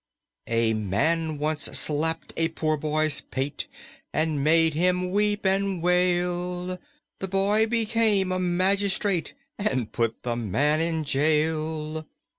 A man once slapped a poor boy's pate And made him weep and wail. The boy became a magistrate And put the man in jail.